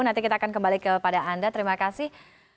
nanti kita akan kembali kepada anda terima kasih